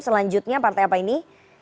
selanjutnya partai apa ini